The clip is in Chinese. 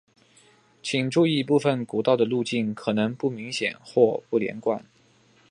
请注意部份古道的路径可能不明显或不连贯。